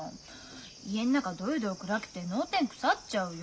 家ん中どよどよ暗くて脳天腐っちゃうよ。